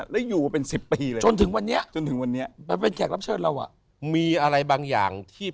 รูปเวทนาสังขารวิญญาณ